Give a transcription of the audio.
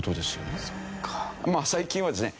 まあ最近はですね